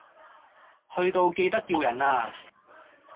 去到記得叫人呀